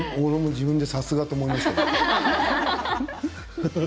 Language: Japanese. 自分でもさすがだと思いました。